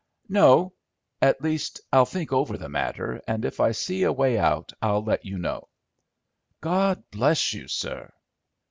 "No. At least, I'll think over the matter, and if I see a way out I'll let you know." "God bless you, sir."